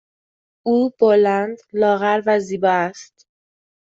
او بلند، لاغر و زیبا است.